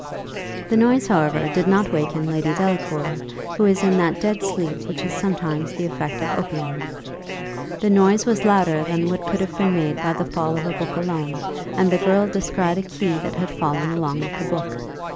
The noise, however, did not waken Lady Delacour, who was in that dead sleep which is sometimes the effect of opium. The noise was louder than what could have been made by the fall of a book alone, and the girl descried a key that had fallen along with the book.